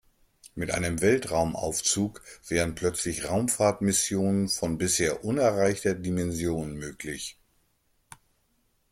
Mit einem Weltraumaufzug wären plötzlich Raumfahrtmissionen von bisher unerreichter Dimension möglich.